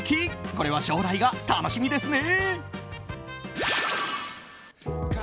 これは将来が楽しみですね。